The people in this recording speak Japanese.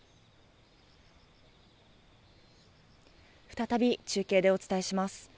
再び中継でお伝えします。